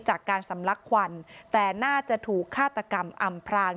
จากการสำลักควันแต่น่าจะถูกฆาตกรรมอำพราง